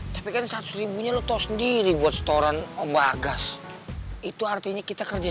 tapi kan seratus ribunya leto sendiri buat setoran ombak gas itu artinya kita kerja